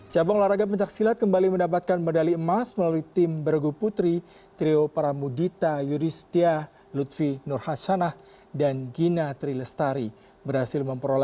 cabang olahraga pencaksilat kembali mendapatkan medali emas melalui tim bergu putri